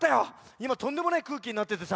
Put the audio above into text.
いまとんでもないくうきになっててさ。